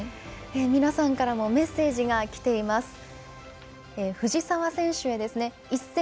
皆さんからもメッセージがきています。